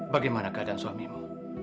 bagaimana keadaan suamimu